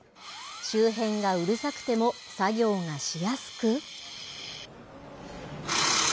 周辺がうるさくても作業がしやすく。